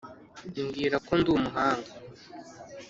mbwira ko ndi umuhanga,